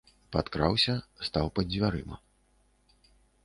Падкраўся, стаў пад дзвярыма.